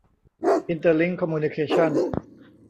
อินเตอร์ลิ้งค์ คอมมิวนิเคชั่น